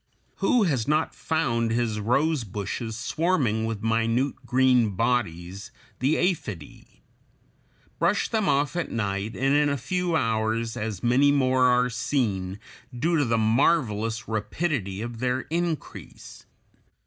[Illustration: FIG. 215. Cochineal insect.] Who has not found his rose bushes swarming with minute green bodies, the Aphidæ? Brush them off at night and in a few hours as many more are seen, due to the marvelous rapidity of their increase.